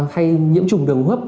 thay nhiễm chủng đường hô hấp